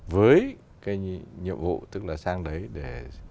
với cái nhiệm vụ tức là sang đấy để